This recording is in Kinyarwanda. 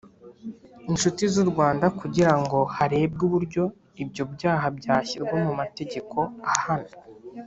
inshuti z u rwanda kugira ngo harebwe uburyo ibyo byaha byashyirwa mu mategeko ahana